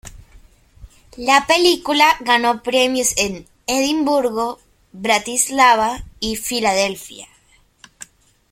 La película ganó premios en Edimburgo, Bratislava y Filadelfia.